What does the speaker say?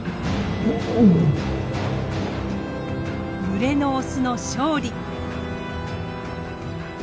群れのオスの勝利。